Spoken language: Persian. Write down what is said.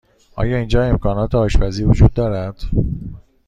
آیا اینجا امکانات آشپزی وجود دارد؟